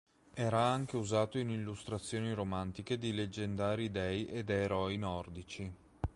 Era anche usato in illustrazioni romantiche di leggendari dei ed eroi nordici.